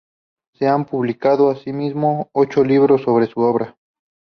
Se han publicado, asimismo, ocho libros sobre su obra.